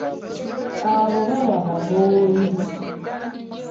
Abo baba Baboobi.